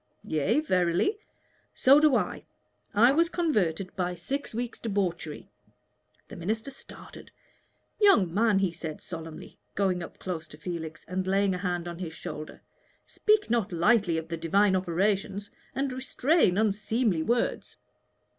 "Yea, verily." "So do I. I was converted by six weeks' debauchery." The minister started. "Young man," he said, solemnly, going up close to Felix and laying a hand on his shoulder, "speak not lightly of the Divine operations, and restrain unseemly words."